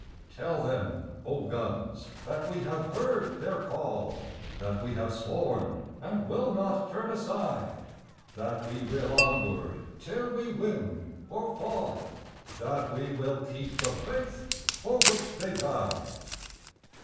Tell them, O guns, that we have heard their call, That we have sworn, and will not turn aside, That we will onward till we win or fall, That we will keep the faith for which they died.